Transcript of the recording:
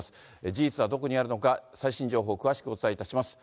事実はどこにあるのか、最新情報、詳しくお伝えいたします。